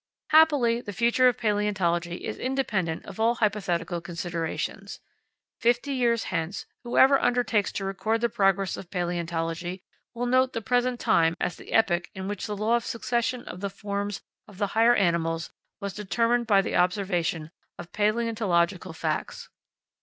Happily, the future of palaeontology is independent of all hypothetical considerations. Fifty years hence, whoever undertakes to record the progress of palaeontology will note the present time as the epoch in which the law of succession of the forms of the higher animals was determined by the observation of palaeontological facts.